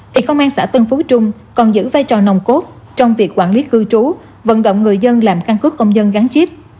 thì công an xã tân phú trung còn giữ vai trò nồng cốt trong việc quản lý cư trú vận động người dân làm căn cứ công dân gắn chip